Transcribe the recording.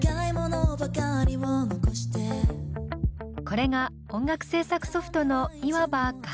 これが音楽制作ソフトのいわば楽譜。